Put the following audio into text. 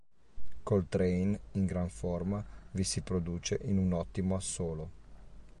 Coltrane, in gran forma, vi si produce in un ottimo assolo.